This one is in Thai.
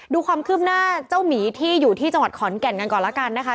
ดูความคืบหน้าเจ้าหมีที่อยู่ที่จังหวัดขอนแก่นกันก่อนแล้วกันนะคะ